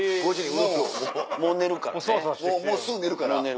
もうすぐ寝るから。